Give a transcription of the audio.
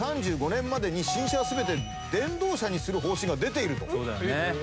２０３５年までに新車は全て電動車にする方針が出ていると。